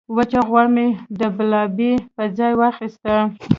وچه غوا مې د بلاربې په ځای واخیسته.